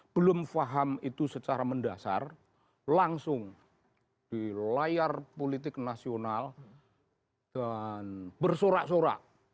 belum paham itu secara mendasar langsung di layar politik nasional dan bersorak sorak